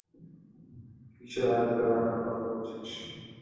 কীসের আয়ত্তে রাখার কথা বলছিস?